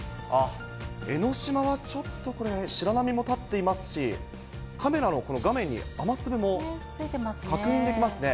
江の島はちょっとこれ、白波も立っていますし、カメラの画面に雨粒も確認できますね。